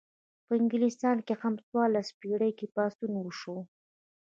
په انګلستان کې هم په څوارلسمه پیړۍ کې پاڅون وشو.